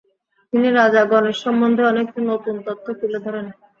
তিনি রাজা গণেশ সম্বন্ধে অনেক নতুন তথ্য তুলে ধরেন।